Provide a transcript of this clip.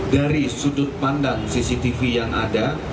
dari sudut pandang cctv yang ada